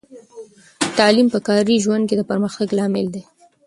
تعلیم په کاري ژوند کې د پرمختګ لامل دی.